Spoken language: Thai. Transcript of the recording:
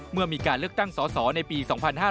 เมื่อมีการเลือกตั้งสอสอในปี๒๕๕๙